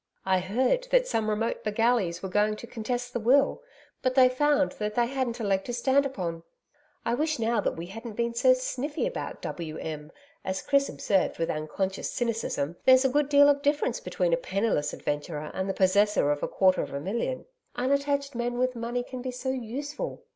I heard that some remote Bagallys were going to contest the will, but they found that they hadn't a leg to stand upon. I wish now that we hadn't been so sniffy about W.M. As Chris observed with unconscious cynicism, there's a good deal of difference between a penniless adventurer and the possessor of quarter of a million. Unattached men with money can be so useful.